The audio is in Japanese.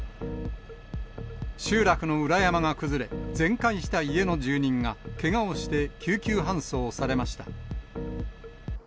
集落の裏山が崩れ、全壊した家の住人がけがをして、救急搬送されました。